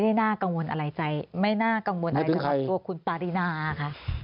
ไม่น่ากังวลอะไรคุณปริณาค่ะไม่ตัวใคร